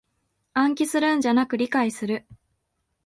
暗記するんじゃなく理解する